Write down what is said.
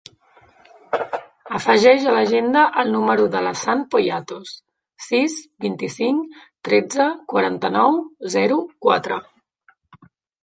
Afegeix a l'agenda el número de l'Hassan Poyatos: sis, vint-i-cinc, tretze, quaranta-nou, zero, quatre.